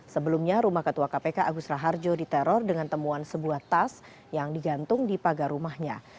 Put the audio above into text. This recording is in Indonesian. sebelumnya rumah ketua kpk agus raharjo diteror dengan temuan sebuah tas yang digantung di pagar rumahnya